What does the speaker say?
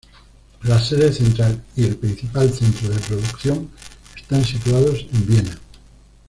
La sede central y el principal centro de producción están situados en Viena.